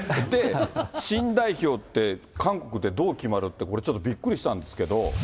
新代表って、韓国でどう決まるって、これちょっとびっくりしたんですけど。